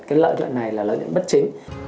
cái lợi nhuận này là lợi nhuận bất chính